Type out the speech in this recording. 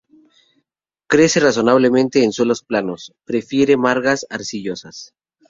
Crece razonablemente en suelos planos, prefiere margas arcillosas.